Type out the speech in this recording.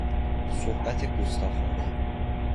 صحبت گستاخانه